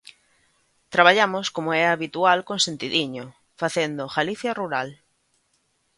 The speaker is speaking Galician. Traballamos, como é habitual, con sentidiño, facendo Galicia rural.